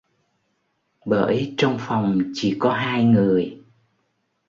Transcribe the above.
Bởi trong phòng chỉ có hai người